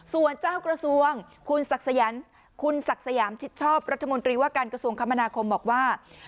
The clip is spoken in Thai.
ส่วนเจ้ากระทรวงคุณศักดิ์คุณศักดิ์สยามชิดชอบรัฐมนตรีว่าการกระทรวงคมนาคมบอกว่า